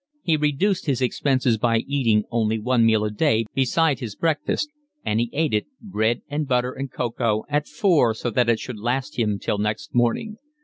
He reduced his expenses by eating only one meal a day beside his breakfast; and he ate it, bread and butter and cocoa, at four so that it should last him till next morning.